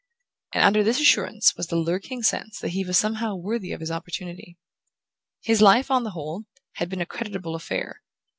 And under this assurance was the lurking sense that he was somehow worthy of his opportunity. His life, on the whole, had been a creditable affair.